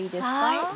はい。